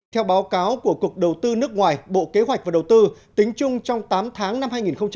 theo báo cáo của cục đầu tư nước ngoài bộ kế hoạch và đầu tư tính chung trong tám tháng năm hai nghìn một mươi chín